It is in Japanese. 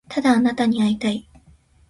ただあなたに会いたい